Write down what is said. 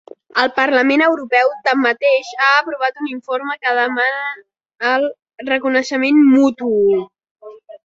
El Parlament Europeu, tanmateix, ha aprovat un informe que demana el reconeixement mutu.